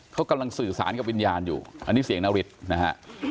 เขากำลังสื่อสารกับวิญญาณอยู่อันนี้เสียงนาริสนะฮะ